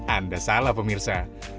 anda salah pemirsa